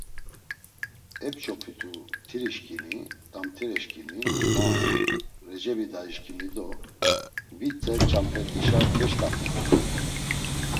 Ep̌ç̌opitu mtirişǩimi, damtireşǩimi, ma, Recebi dayişǩimi do Vitze Ç̌amp̌et̆işa keşǩaft̆itu.